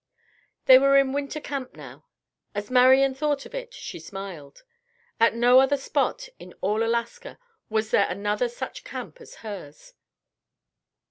They were in winter camp now. As Marian thought of it she smiled. At no other spot in all Alaska was there another such camp as hers.